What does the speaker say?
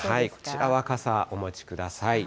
こちらは傘、お持ちください。